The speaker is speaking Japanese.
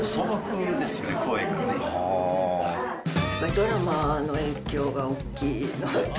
ドラマの影響が大きいのと。